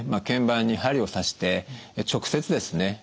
腱板に針を刺して直接ですね